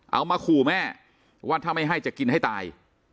เอามาขู่แม่ว่าถ้าไม่ให้จะกินให้ตาย